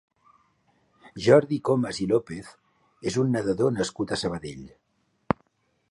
Jordi Comas i López és un nedador nascut a Sabadell.